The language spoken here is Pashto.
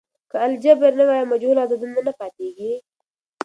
که الجبر نه وي، آیا مجهول عددونه نه پاتیږي؟